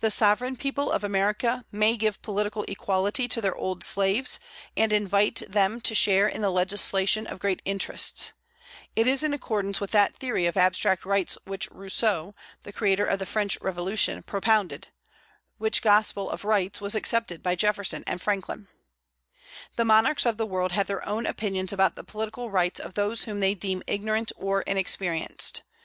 The sovereign people of America may give political equality to their old slaves, and invite them to share in the legislation of great interests: it is in accordance with that theory of abstract rights which Rousseau, the creator of the French Revolution, propounded, which gospel of rights was accepted by Jefferson and Franklin, The monarchs of the world have their own opinions about the political rights of those whom they deem ignorant or inexperienced.